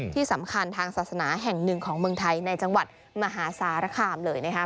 ที่สำคัญทางศาสนาแห่งหนึ่งของเมืองไทยในจังหวัดมหาสารคามเลยนะครับ